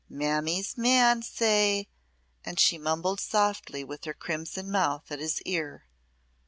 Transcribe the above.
Mammy's man say " and she mumbled softly with her crimson mouth at his ear.